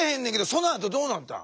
そのあとどうなったん？